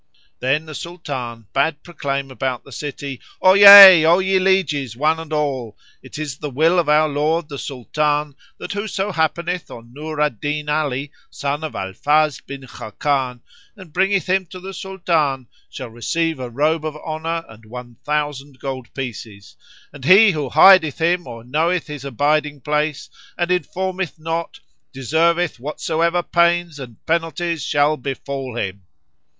Then the Sultan bade proclaim about the city, "Oyez, O ye lieges one and all! It is the will of our lord the Sultan that whoso happeneth on Nur al Din Ali son of Al Fazl bin Khákán, and bringeth him to the Sultan, shall receive a robe of honour and one thousand gold pieces; and he who hideth him or knoweth his abiding place and informeth not, deserveth whatsoever pains and penalties shall befal him."